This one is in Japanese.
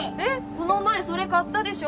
この前それ買ったでしょ。